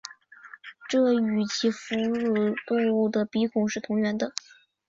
这与其他哺乳动物的鼻孔是同源的。